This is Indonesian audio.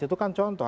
itu kan contoh